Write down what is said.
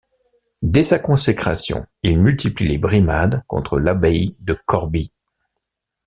Dès sa consécration, il multiplie les brimades contre l'abbaye de Corbie.